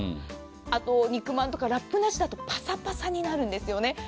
あと、肉まんとかラップなしだとパサパサになるんですよね。